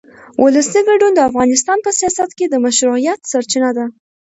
ولسي ګډون د افغانستان په سیاست کې د مشروعیت سرچینه ده